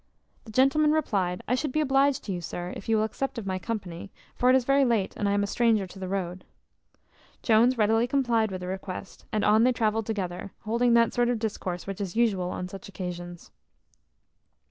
The gentleman replied, "I should be obliged to you, sir, if you will accept of my company; for it is very late, and I am a stranger to the road." Jones readily complied with the request; and on they travelled together, holding that sort of discourse which is usual on such occasions.